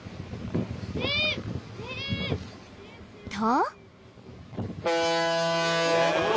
［と］